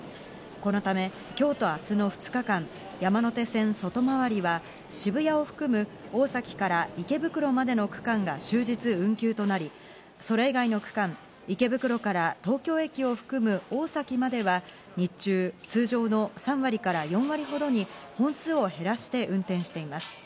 このため今日と明日の２日間、山手線外回りは渋谷を含む大崎から池袋までの区間が終日運休となり、それ以外の区間、池袋から東京駅を含む大崎までは日中、通常の３割から４割ほどに本数を減らして運転しています。